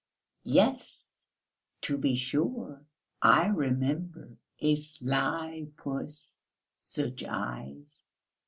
"Yes, to be sure! I remember, a sly puss, such eyes